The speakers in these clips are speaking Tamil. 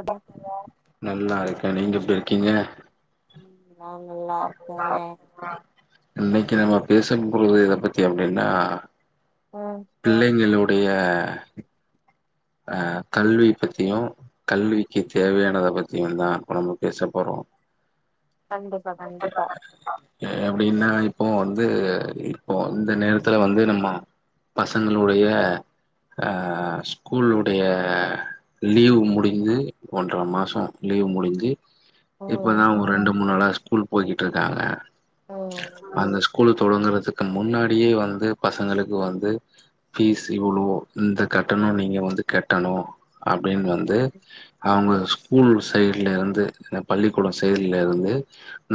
எப்போ நல்லா இருக்கே நீங்க எப்டி இருக்கீங்க நாங்க இன்னிக்கி நம்ம பேச போறது எத பத்தி அப்டினா ம் பிள்ளைங்களுடைய அ கல்வி பத்தியு கல்விக்கு தேவையானதயு பத்தியு தா இப்ப நம்ம பேச போறோ கண்டிப்பா கண்டிப்பா எப்டினா இப்போ வந்து இப்போ இந்த நேரத்துல வந்து நம்ம பசங்களுடைய அ ஸ்கூல்லுடைய லீவு முடிஞ்சி ஒன்ற மாசோ லீவு முடிஞ்சி ம் இப்பதா ஒரு ரெண்டு மூணு நாளா ஸ்கூல் போய்கிட்டு இருக்காங்க ம் அந்த ஸ்கூல் கூலு தொடங்குறதுக்கு முன்னாடியே வந்து பசங்களுக்கு வந்து ஃபீஸ் இவ்ளோ இந்த கட்டணோ நீங்க வந்து கட்டணு அப்டின்னு வந்து அவுங்க ஸ்கூல் சைடுல இருந்து பள்ளிக்கூடோ சைட்ல இருந்து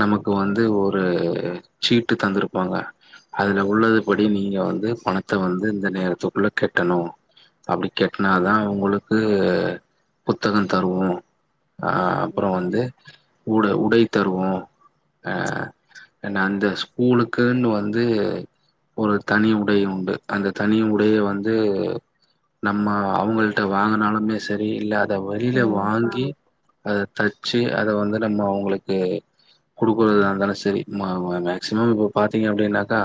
நமக்கு வந்து ஒரு சீட்டு தந்துருப்பாங்க அதுல உள்ளது படி நீங்க வந்து பணத்த வந்து இந்த நேரத்துக்குள்ள கட்டணு அப்டி கட்டுனாாதா உங்குளுக்கு புத்தகோ தருவோ அ அப்றோ ம் வந்து உடு உடை தருவோ அ என்ன அந்த ஸ்கூலுக்குனு வந்து ஒரு தனி உடை உண்டு அந்த தனி உடையை வந்து நம்ம அவுங்ள்ட்ட வாங்குனாலுமே சரி இல்ல இந்த வெள்ள ம் வாங்கி அத தச்சி அத வந்து நம்ம அவுங்ளுக்கு இது குடுக்குறதா இருந்தாலு செரி மேக்சிமம் இப்ப பாத்தீங்க அப்டினாக்கா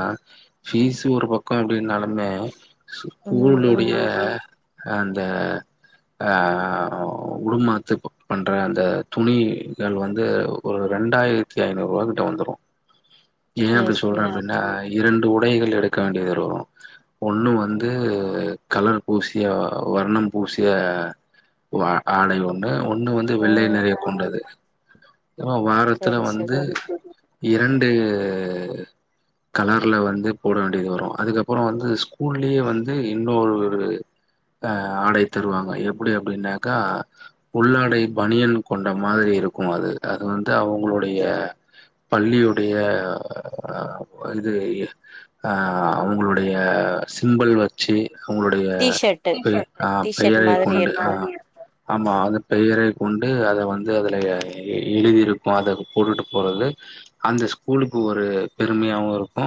ஃபீஸ் ஒரு பக்கோ எப்டினாலுமே ம் ம் ஸ்கூலுடைய அந்த ஆ உடுமாத்து பண்ற அந்த துணிகள் வ‌ந்து ஒரு ரெண்டாயிர்த்தி ஐநூர்வா கிட்ட வந்துரு ஏ சேரி அப்டி சொல்றே சேரி அப்டினா இரண்டு உடைகள் எடுக்க வேண்டியது வரு ஒன்னு வந்து கலர் பூசிய வர்ணம் பூசிய வா ஆடை ஒன்னு ஒன்னு வந்து வெள்ளை ம் நிறைய கொண்டது ஆ வாரத்துல சரி வந்து சரி இரண்டு கலர்ல வந்து போட வேண்டியது வரு அதுக்கப்றோ வந்து ஸ்கூல்லியே வந்து இன்னொரு ஆ ஆடை தருவாங்க எப்டி அப்டின்னாக்கா உள்ளாடை பணியன் கொண்ட மாரி இருக்கு அது அது வந்து அவங்களுடைய பள்ளி உடைய அ இது அ அவுங்களுடைய சிம்பிள் வச்சி ஒங்களுடைய டீ ஷர்ட்டு பெ அ டீ ஷர்ட் பேரை மாதிரி கொண்டு அ இருக்கு ஆமா அது பெயரை கொண்டு அத வந்து அதுல எ எழுதிருப்பா அத போட்டுட்டு போறது அந்த ஸ்கூலுக்கு ஒரு பெருமையாவு இருக்கு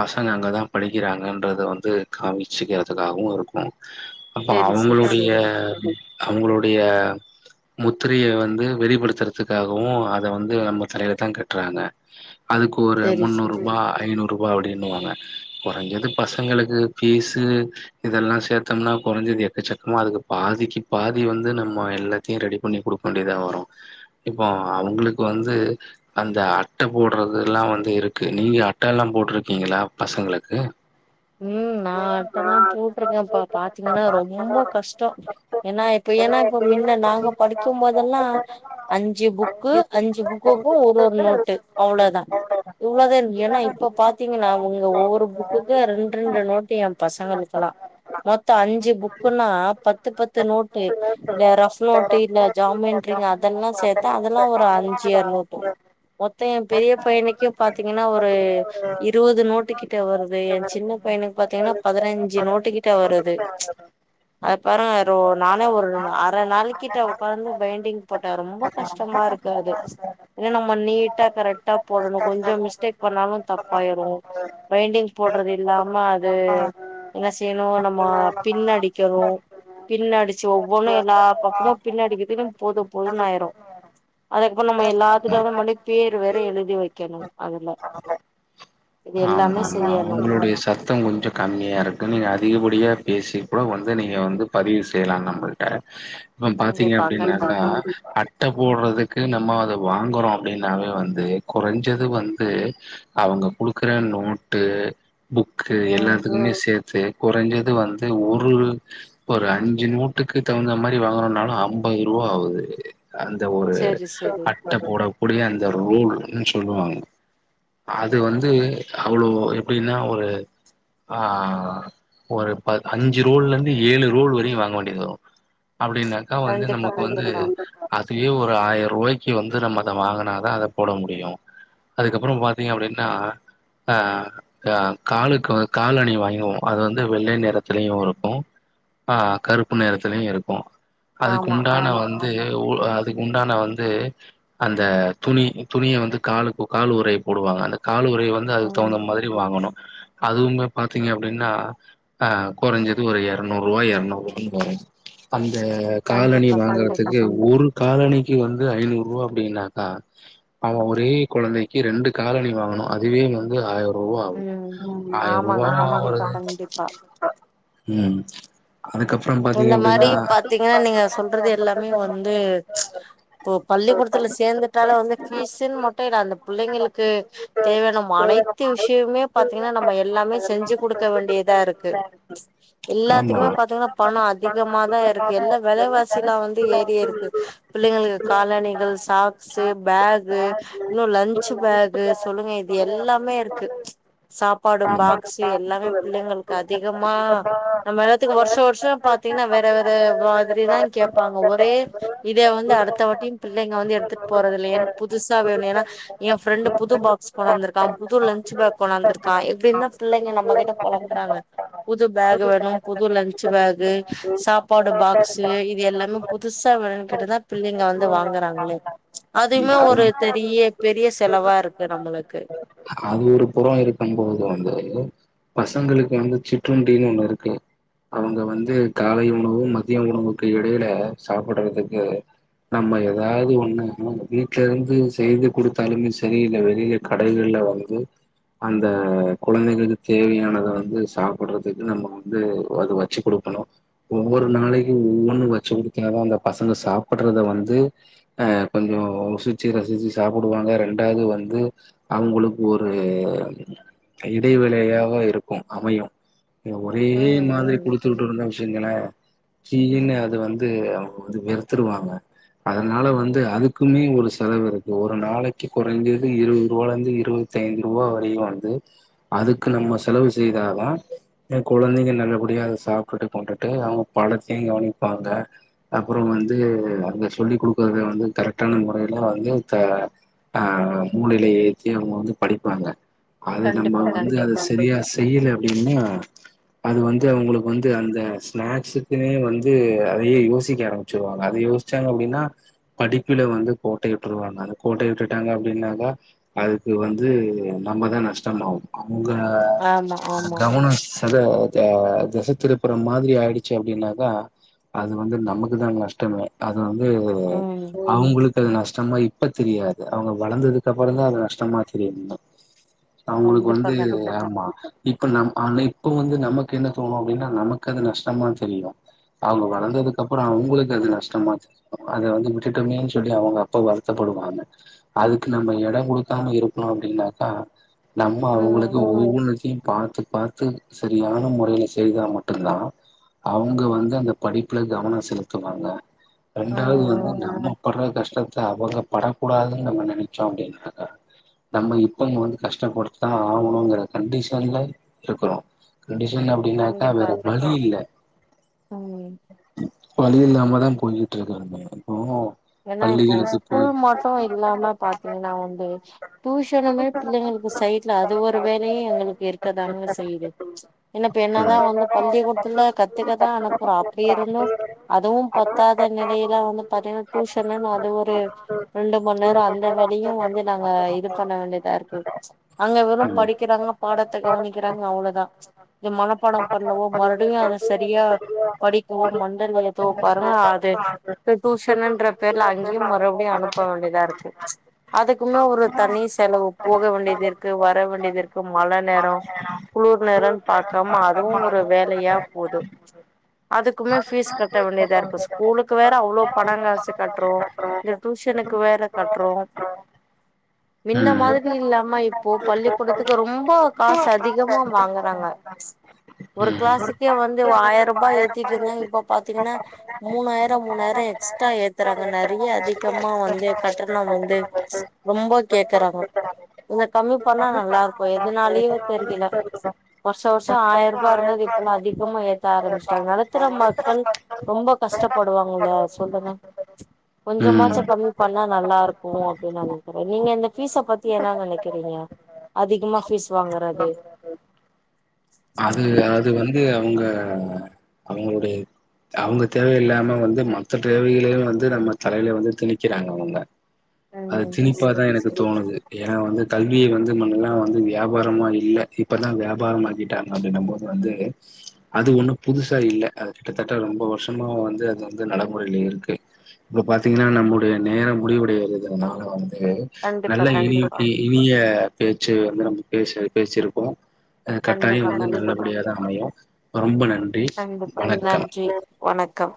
பசங்க அங்கதா படிக்கிறாங்கன்றத வந்து காமிச்சுக்கறதுக்காகவு இருக்கு அப்ப சேரி சேரி அவுங்களுடைய சேரி அவுங்களுடைய முத்திரைய வந்து வெளிப்படுத்துறத் துக்காகவு அத வந்து நம்ம தலைலதா கட்றாங்க அதுக்கு ஒரு சேரி சேரி முன்னூருவா ஐநூர் ரூபா அப்டின்னுவாங்க கொறஞ்சது பசங்களுக்கு ஃபீஸு இதெல்லா சேத்தம்னா கொறஞ்சது எக்கச்சக்கமா அதுக்கு பாதிக்கு பாதி வந்து நம்ம எல்லாத்தையு ரெடி பண்ணி குடுக் வேண்டியதா வரு இப்ப அவுங்களுக்கு வந்து அந்த அட்ட போட்றதுல்லா வந்து இருக்கு நீங்க அட்ட எல்லா போட்ருக்கீங்ளா பசங்களுக்கு ம் நா அட்டல்லா போட்டிருக்கப்பா பாத்தீங்கன்னா ரொம்ப கஷ்டோ ஏன்னா இப்ப ஏன்னா இப்ப மின்ன நாங்க படிச்ச போதெல்லா அஞ்சு புக்கு அஞ்சு புக்குக்கு ஒரு ஒரு நோட்டு அவ்ளோதா இவ்ளோதா இருந் ஏன்னா இப்ப பாத்தீங்கன்னா உங்க ஒவ்வொரு புக்குக்கு ரெண் ரெண்டு நோட்டு எ பசங்களுக்கலா மொத்தோ அஞ்சு புக்குன்னா பத்து பத்து நோட்டு இந்த ரஃப் நோட்டு இந்த ஜாமெண்டரிங்க அதெல்லா சேத்தா அதெல்லா ஒரு அஞ்சுயர் நோட்டு மொத்தோ எ பெரிய பையனுக்கே பாத்தீங்கன்னா ஒரு இருவது நோட்டு கிட்ட வருது சின்ன பையனுக் பாத்தீங்கன்னா பதினஞ்சு நோட்டு கிட்ட வருது அதுப்பாருங்க ஒரு நானே ஒரு அர நாளுகிட்ட உக்காந்து பைண்டிங் போட்ட ரொம்ப கஷ்டமாருக்கு அது ஏன நம்ம நீட்டா கரெக்டா போடணு கொஞ்சோ மிஸ்டேக் பண்ணாலு தப்பாயிரு பைண்டிங் போ [unintelligible] ஆமா அது என்ன செய்ணு நம்ம பின்னடிக்கணு பின்னடிச்சு ஒவ்வொன்னு எல்லா பக்கமு பின்ன அடிக்கதுக்குன் போது போதுன்னாயிரு அதுக்கப்ப நம்ம எல்லாத்துலமந்து பேரு வேற எழுதி வைக்கணு அதுல இதெல்லாமே செய்யணு சத்தோ கொஞ்சோ கம்மியாருக்கு நீங்க அதிகபடியாக பேசிப்ப வந்து நீங்க வந்து பதிவு செய்யலா நம்மள்ட்ட இப்ப பாத்தீங்க கண்டிப்பா அப்டின்னாக கண்டிப்பா அட் அட்ட போட்றதுக்கு நம்ம அத வாங்கறோ அப்டின்னாவே வந்து கொறஞ்சது வந்து அவுங்க குடுக்கற நோட்டு புக்கு ம் எல்லாத்துக்குமே சேத் சேரி குறஞ்சது வந்து ஒரு ஒரு அஞ்சு நோட்டுக்கு தகுந்த மாதரி வாங்கரோனாலு அம்பது ரூவா ஆவுது அந்த ஒரு செரி செரி அட்ட போடக்கூடிய அந்த ரோல்ன் சொல்லுவாங்க அது வந்து அவ்ளோ எப்டின்னா ஒரு ஆ ஒரு ப அஞ்சு ரோல்லந்து ஏழு ரோல் வரையு வாங்க வேண்டிது வரு அப்பிடின்னா தா வந்து கண்டிப்பா நமக்கு வந்து கண்டிப்பா அதுவே ஒரு ஆயர்ருவாய்க்கு வந்து நம்ம அத வாங்கனாதா அத போட முடியு அதுக்கப்பறோ பாத்தீங்க அப்பிடின்னா அ அ காலுக்கு வ காலணி வாங்கிவோ அது வந்து வெள்ளை நிறத்திலயு இருக்கு ஆ கருப்பு நிறத்திலயு இருக்கு அதுக்கு ஆமா உண்டான ஆமா வந்து உ அ அதுக்கு உண்டான வந்து அந்த துணி துணிய வந்து காலு காலுரைய போடுவாங்க அந்த காலுரைய வந் ம் அதுக்குதகுந்த மாரி வாங்கணு அதுவுமே பாத்தீங்க அப்டின்னா அ கொறஞ்சது ஒரு எர்நூர்வா எர்நூர்வான் வரு அந்த காலனி கண்டிப்பா கண்டிப்பா வாங்கறதுக்கு ஒரு காலணிக்கு வந்து ஐநூர்ரூவா அப்டின்னாக்கா அவ ஒரே கொழந்தைக்கு ரெண்டு காலனி வாங்கனு அதுவே வந்து ஆயர்ருவா ஆகு ம் ஆயர் ஆமாங்க ரூவா ஒரு கண்டிப்பா கண்டிப்பா ம் அதுக்கப்றோ இந்த மாரி பாத்தீங்கன்னா நீங்க சொல்றது எல்லாமே வந்து இப்போ பள்ளிக்கூடத்துல சேந்துட்டாலே வந்து ஃபீஸ்ன்னு மட்டு இல்ல அந்த பிள்ளைங்களுக்கு தேவையானம் அனைத்து விஷயம்மே பாத்திங்கனா நம்ம எல்லாமே செஞ்சு குடுக்க வேண்டியதா இருக்கு ஆமா எல்லாத்துக்குமே பாத்திங்கனா பணம் அதிகமாதான் இருக்கு எல்ல வெலைவாசி லாம் வந்து ஏறி இருக்கு பிள்ளைங்களுக்கு காலணிகள் சாக்ஸு பேகு இன்னும் லன்ச்சு பேக்கு சொல்லுங்க இது எல்லாமே இருக்கு சாப் பாடு பாக்ஸு எல்லாமே பிள்ளைங்களுக்கு அதிகமா நம்ம என்னாத்துக்கு வருஷோ வர்ஷ் பாத்தீங்னா வேற வேற வாதிரிதா கேட்பாங்க ஒரே இத வந்து அடுத்த வாட்டியும் பிள்ளைங்க வந்து எடுத்துட்டு அது போறதில்லலயா எனக்கு பு புதுசா வேணும் ஏன்னா என் ஃப்ரெண்டண்டு புது பாக்ஸ் கொண்டாந்திருக்க புது லன்ச் பேக் கொனாந்துருக்கா இப்டின்தா பிள்ளைங்க நம்மகிட்ட பொலம்புறாங்க புது பேகு வேணும் புது லன்ச்சு பேகு சாப்பாடு பாக்ஸு இது எல்லாமே புதுசா வேனுன்கிட்டுதான் பிள்ளைங்க அழுது வாங்குறாங்களே அதிவ்மே ஒரு தெரிய்ய பெரிய செலவா இருக்கு நம்மளுக்கு அது ஒருக் புறம் இருக்கும் போது வந்து பசங்களுக்கு வந்து சிற்றுண்டின்னு ஒண்ணு இருக்கு அவங்க வந்து காலை உணவு மதிய உணவுக்கு இடையில சாப்புட்றதுக்கு நம்ம எதாவது ஒண்ணு வீட்ல இருந்து செய்து குடுத்தாலுமே சரி இல்ல வெளியில கடைலள்ல வந்து அந்த குழந்தைகளுக் தேவையானத வந்து சாப்புட்றதுக்கு நம்ம வந்து அது வச்சி குடுக்கணு ஒவ்வொரு நாளைக்கும் ஒவ்வொன்னும் வச்சு குடுத்தாதான் அந்த பசங்க சாப்பிடுறத வந்து ஆ கொஞ்சம் ருசுச்சி ரசிச்சு சாப்பிடுவாங்க ரெண்டாவது வந்து அவங்களுக்கு ஒரு இடைவேளையாவு இருக்கும் அமையும் இங்க ஒரே ம் மாதிரி ம் குடுத்துட்ருந்த வச்சிக்குங்களே சீன்னு அத வந்து அவங்க வந்து வெறுத்துருவாங்க அதனால வந்து அதுக்குமே ஒரு செலவு இருக்கு ஒரு நாளைக்கு குறைஞ்சது இருவருவாலருந்து இருவது த்தி ஐநூருபா ரூபா வரையும் வந்து அதுக்கு நம்ம செலவு செய்தாதான் ஏ குழந்தைங்க நல்லபடியா அதை சாப்பிட்டுட்டு கொண்டுட்டு அவங்க படத்தையும் கவனிப்பாங்க அப்பறம் வந்து அங்க சொல்லி் குடுக்குறத வந்து கரெக்டான முறையில வந்து த ஆ மூலையிலை ஏக்கி அவங்க வந்து படிப்பாங்க அது நம்ம கண்டிப்பா வந்து அது கண்டிப்பா சரியா செய்யல அப்டின்னா அது வந்து அவங்களுக்கு வந்து அந்த ஸ்நாக்ஸுக்குன்னே வந்து அதையே யோசிக்க ஆரம்பிச்சருவாங்க அத யோ டிச்சாங்க அப்டின்னா படிப்புல வந்து கோட்டை விட்டுருவாங்க அது கோட்டை விட்டுட்டாங்க அப்டின்னாக்கா அதுக்கு வந்து நம்மதான் நஷ்டமாகும் அவங்க ஆமா ஆமா கவனம் அத த திசை திருப்புற மாதிரி ஆயிடுச்சு அப்டின்னாக்கா அது வந்து நமக்குதா நஷ்டமே அது வந்து ம் அவங்களுக்கு அது நஷ் கஷ்டமா இப்ப தெரியாது அவங்க வளர்ந்ததுக்கு அப்புறம் தான் அது நஷ்டமா தெரியும் அவங்களுக்கு கண்டிப்பா வந்து கண்டிப்பா ஆமா இப்ப நம் ஆன இப்ப வந்து நமக்கு என்ன தோணும் அப்டின்னா நமக்கு அது நஷ்டமா தெரியும் அவ்ளோ தான் வந்ததுக்கு அப்பறம் உங்களுக்கு அது நஷ்டமா அத வந்து விட்டுட்டம்மேன் சொல்லி அவங்க அப்ப வருத்தப்படுவாங்க அதுக்கு நம்ம எடம் குடுக்காம இருக்கணும் அப்டின்னாக்கா நம்ம ம் ம் அவங்களுக்கு ஒவ்வொன்னுத்தையு பாத்து பார்த்து சரியான முறையில செய்தா மட்டும்தான் அவங்க வந்து அந்த படிப்ல கவனொ செலுத்துவாங்க ரெண்டாவது வந்து ம் நம்ம பட்ற கஷ்டத் அவங்க படக்கூடாதுன்னு நம்ம நினைச்சோம் அப்டின்னாக்க நம்ம இப்பங்க வந்து கஷ்டப்பட்டு தா ஆகணுங்கிற கண்டிஷன்ல இருக்குறோ. கண்டிஷன் அப்டின்னாக்கா கண்டிப்பா வேற வழி இல்ல. ம் வழியில்லாம தா குலுங்கிட்டு இருக்கானுங்க இப்போ ஏனா இப்போ பள்ளிகளுக்கு ஸ்கூல் போய் மட்டு இல்லாம பாத்தீங்கன்னா வந்து டியூஷனுமே பிள்ளைங்களுக்கு சைட்ல அது ஒரு வேலையு அங்களுக்கு இருக்கதாங்க செய்யது என்ன இப்ப என்னதா வந்து பள்ளிகூடத்துல கத்துக்கதா அனுப்புறோ அப்டி இருந்து. அதுவு பத்தாத நெலேல வந்து பாத்தீங்கன்னா டியூஷன்ன்னு அது ஒரு. ரெண்டு மண் நேரோ அந்த வலியு வந்து நாங்க இது பண்ண வேண்டியதா இருக்கு. அங்க வெறு படிக்கிறாங்க, பாடத்த கவனிக்கிறாங்க அவ்ளோதா இத மனப்பாடோ பண்ணலவோ மறுபடியு அத சரியா படி ஓ மண்டல்வயதோ பரல ஆது ததுஷ் பெருநான்ற பேருல அங்கேயு மறுபடியு அனுப்ப வேண்டியதா இருக்கு அதுக்குமே ஒரு தனி செலவு.. போக வேண்டியது இருக்கு வர வேண்டியது இருக்கு மழ நேரோ. குளிர் நேரன்னு பாக்கமா அதுவு ஒரு வேலையா போது. அதுக்குமே ஃபீஸ் கட்ட வேண்டியதா இருக்கு ஸ்கூலுக்கு வேற அவ்ளோ படங்காசு கட்றோ இதுல டியூஷனுக்கு வேற கட்றோ மின்ன ம் மாதிரி இல்லாமா இப்போ பள்ளிக்கூடத்துக்கு ரொம்போ காசு அதிகமா வாங்க தாங்க ஒரு கிளாஸுக்கே வந்து ஆயிரரூபா ஏத்திட்டு இருந்த இப்ப பாத்தீங்கன்னா மூணாயிரோ மூணாயிரோ எட் எக்ஸ்ட்ரா ஏத்துறாங்க நெறைய அதிகமா வந்து கட்டணோ வந்து ரொம்போ கேக்குறாங்க இங்க கம்மி பண்ணா நல்லா இருக்கு. எதுனாலயோ தெரியல. வருஷோ வருஷோ ஆயிர ரூபா இருந்தது. இப்போல்லா அதிகமா ஏத்த ஆரம்பிச்சுட்டாங்க நடுத்தர மக்கள் ரொம்ப கஷ்டப்படுவாங்கள சொல்லுங்க. ம் கொஞ்சமாச்சு கம்மி பண்ணா நல்லா இருக்கு அப்டின்னு நா நினைக்கிற நீங்க இந்த பீஸ்ச பத்தி என்ன நனைக் தெரிலயா அதிகமா பீஸ் வாங்கறது அது அது வந்து அவுங்க அவுங்களுடைய, அவுங்க தேவயில்லாம வந்து மத்த தேவைகளையு வந்து நம்ம தலைலே வந்து திணிக்கிறாங்க அவுங்க அது ம் திணிப்பாதா செரி எனக்கு செரி தோணுது. ஏனா வந்து கல்விய வந்து முண்ணல்லா வந்து வியாபாரமா இல்ல. இப்பதா வியாபாரமா ஆக்கிட்டாங் அப்டினபோது வந்து. அது ஒண்ணு புதுசா இல்ல, அது கிட்டத்தட்ட ரொம்ப வருஷமா வந்து அது வந்து நடமுறைல இருக்கு. இப்போ பாத்தீங்கன்னா நம்முடைய நேரம் முடிவுடையறதுனால வந்து கண்டிப்பா நல்ல கண்டிப்பா இருகிக்கி, இனிய பேச்சு வந்து, நம்ம பேச பேசிருக்கோ அ டைம் கண்டிப்பா வந்து கண்டிப்பா நல்லபடியா தா அமையு ரொம்ப நன்றி! கண்டிப்பா வணக்கம் நன்றி வணக்கம்.